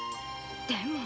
でも。